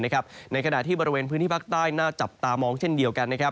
ในขณะที่บริเวณพื้นที่ภาคใต้น่าจับตามองเช่นเดียวกัน